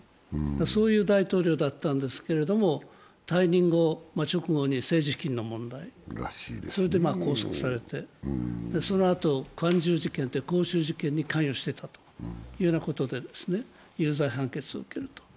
そういう大統領だったんですけれども、退任後、直後に政治資金の問題、それで拘束されて、そのあと光州事件に関与してということで有罪判決を受けると。